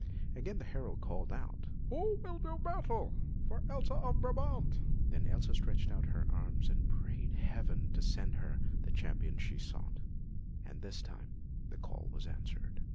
Again the herald called out: "Who will do battle for Elsa of Brabant?" Then Elsa stretched out her arms and prayed Heaven to send her the Champion she sought; and this time the call was answered.